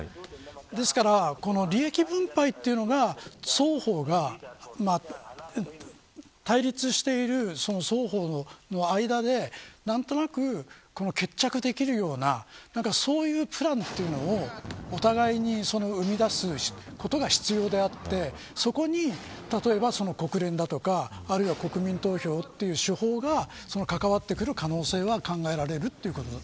ですから利益分配というのが双方が対立している双方の間で何となく決着できるようなそういうプランというのをお互いに生み出すことが必要であってそこに例えば国連だとか国民投票という手法が関わってくる可能性は考えられます。